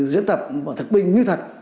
diễn tập và thực binh như thật